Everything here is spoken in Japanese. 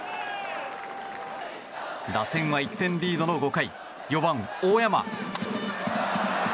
打線は１点リードの５回４番、大山。